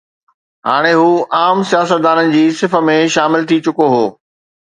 هاڻي هو عام سياستدانن جي صف ۾ شامل ٿي چڪو هو.